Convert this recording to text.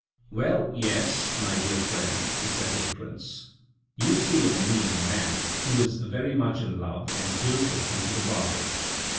" Well, yes, my dear friend," he said to the prince, " you see in me a man who is very much in love and jilted into the bargain.